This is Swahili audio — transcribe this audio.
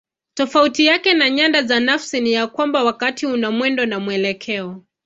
Tofauti yake na nyanda za nafasi ni ya kwamba wakati una mwendo na mwelekeo.